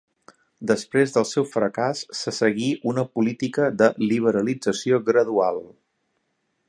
Després del seu fracàs, se seguí una política de liberalització gradual.